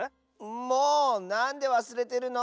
もうなんでわすれてるの！